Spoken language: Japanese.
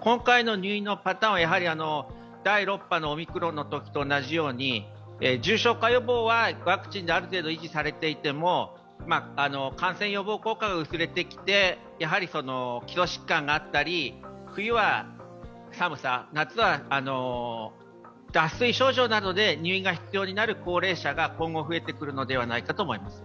今回の入院のパターンは第６波のオミクロン株と同じように重症化予防はワクチンである程度、維持されていても感染予防効果が薄れてきて、基礎疾患があったり冬は寒さ、夏は脱水症状などで入院が必要になる高齢者が今後、増えてくるのではないかと思います。